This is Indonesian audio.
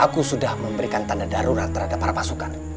aku sudah memberikan tanda darurat terhadap para pasukan